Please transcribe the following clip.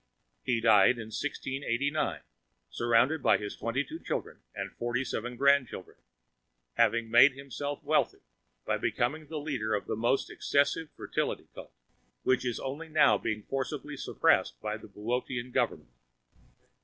He died in 1689, surrounded by his 22 children and 47 grandchildren, having made himself wealthy by becoming the leader of a most excessive fertility cult, which is only now being forcibly suppressed by the Boötean Government.